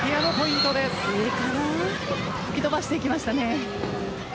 吹き飛ばしていきましたね。